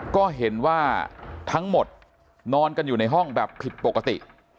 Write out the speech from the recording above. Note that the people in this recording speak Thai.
ก็เห็นว่าทั้งหมดนอนกันอยู่ในห้องแบบผิดปกติ